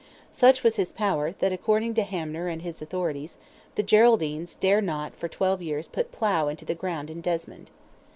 Such was his power, that, according to Hamner and his authorities, the Geraldines "dare not for twelve years put plough into the ground in Desmond."